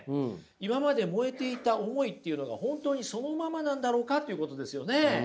今まで燃えていた思いっていうのが本当にそのままなんだろうかということですよね。